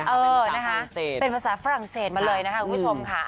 เป็นภาษาฝรั่งเศสเป็นภาษาฝรั่งเศสมาเลยนะคะคุณผู้ชมค่ะ